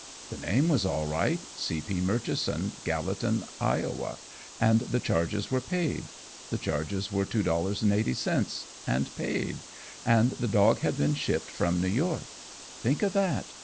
The name was all right "C. P. Murchison, Gallatin, Iowa" and the charges were paid. The charges were $2.80, and paid, and the dog had been shipped from New York. Think of that!